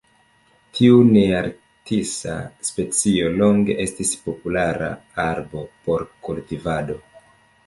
Tiu nearktisa specio longe estis populara arbo por kultivado.